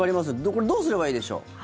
これ、どうすればいいでしょう？